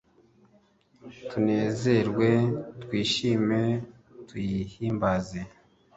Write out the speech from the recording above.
Tunezerwe twishime, tuyihimbaze,